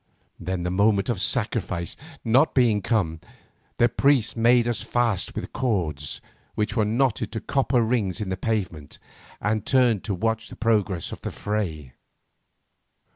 Then the moment of sacrifice not being come, the priests made us fast with cords which they knotted to copper rings in the pavement, and turned to watch the progress of the fray.